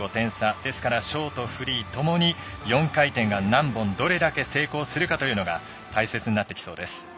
ですからショート、フリーともに４回転が何本、どれだけ成功するかというのが大切になってきそうです。